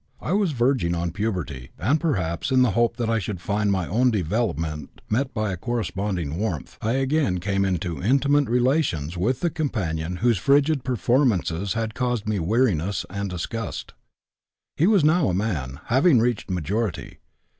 I was verging on puberty, and perhaps in the hope that I should find my own development met by a corresponding warmth I again came into intimate relations with the companion whose frigid performances had caused me weariness and disgust. He was now a man, having reached majority.